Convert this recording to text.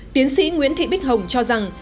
tiến sĩ nguyễn thị bích hồng cho rằng